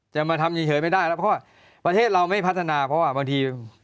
มาทำเฉยไม่ได้แล้วเพราะว่าประเทศเราไม่พัฒนาเพราะว่าบางที